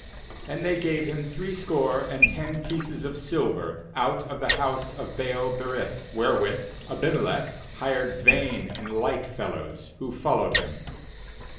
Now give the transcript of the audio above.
4And they gave him threescore and ten pieces of silver out of the house of Baal berith, where with Abimelech hired vain and light fellows, who followed him.